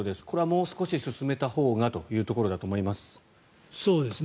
これはもう少し進めたほうがというところだと思います。